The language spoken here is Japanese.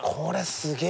すげえ